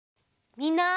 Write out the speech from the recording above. みんな！